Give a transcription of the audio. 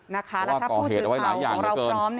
นะคะแล้วถ้าผู้สื่อของเราพร้อม